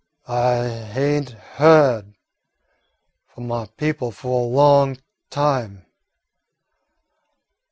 "I ain't hyeahed f'om my people fu' a long time.